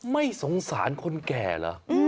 ไม่สงสารคนแก่ล่ะ